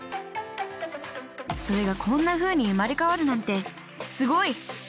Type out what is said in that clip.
それがこんなふうに生まれ変わるなんてすごい！